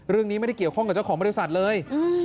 เรื่องนี้ไม่ได้เกี่ยวข้องกับเจ้าของบริษัทเลย